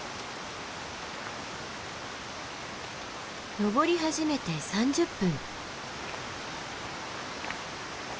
登り始めて３０分。